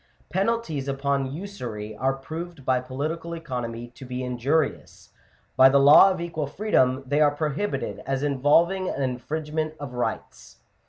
Penalties upon usury are proved by political economy to be injurious : by the law of equal freedom they are prohibited as involving an infringement of rights.